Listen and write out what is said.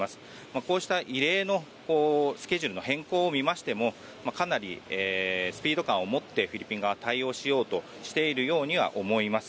こうした異例のスケジュールの変更を見ましてもかなりスピード感を持ってフィリピン側対応しようとしているようには思います。